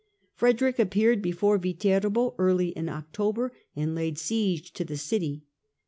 Frederick appeared before Viterbo early in October and laid siege to the city.